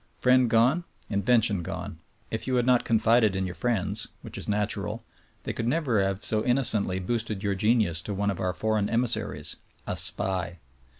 Friend gone — invention gone. If you had not confided in your friends' (which is natural) they could never have so innocently boosted your genius to one of our foreign emissaries, a— SPY!